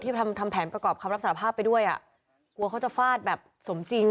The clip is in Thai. ทำทำแผนประกอบคำรับสารภาพไปด้วยอ่ะกลัวเขาจะฟาดแบบสมจริง